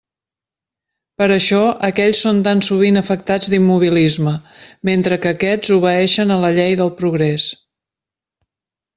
Per això aquells són tan sovint afectats d'immobilisme, mentre que aquests obeeixen a la llei del progrés.